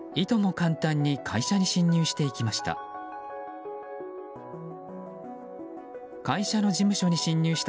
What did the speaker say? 簡単に会社に侵入していきました。